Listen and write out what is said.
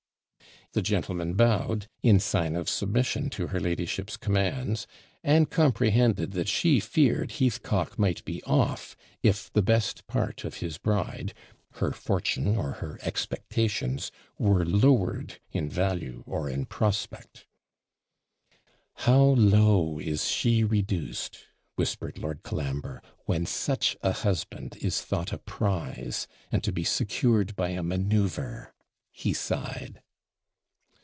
The gentlemen bowed, in sign of submission to her ladyship's commands; and comprehended that she feared Heathcock might be OFF, if the best part of his bride (her fortune, or her EXPECTATIONS) were lowered in value or in prospect. 'How low is she reduced,' whispered Lord Colambre, 'when such a husband is thought a prize and to be secured by a manoeuvre!' He sighed.